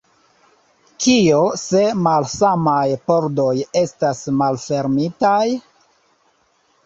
Kio se malsamaj pordoj estas malfermitaj?